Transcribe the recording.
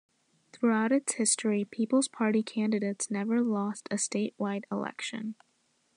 Throughout its history, People's Party candidates never lost a statewide election.